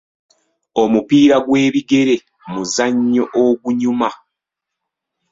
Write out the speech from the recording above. Omupiira gw'ebigere muzannyo ogunyuma.